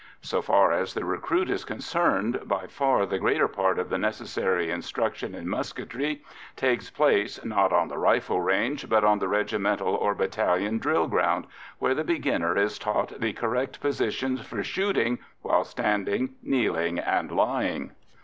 So far as the recruit is concerned, by far the greater part of the necessary instruction in musketry takes place not on the rifle range, but on the regimental or battalion drill ground, where the beginner is taught the correct positions for shooting while standing, kneeling, and lying.